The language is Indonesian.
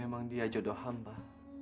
memang dia jodoh hamba